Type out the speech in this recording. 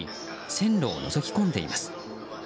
線路をのぞき込んでいます。